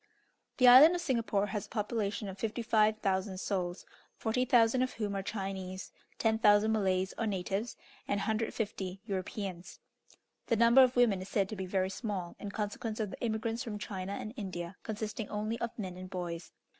The Island of Singapore has a population of 55,000 souls, 40,000 of whom are Chinese, 10,000 Malays, or natives, and 150 Europeans. The number of women is said to be very small, in consequence of the immigrants from China and India consisting only of men and boys.